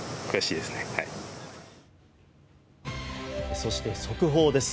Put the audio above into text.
そして、速報です。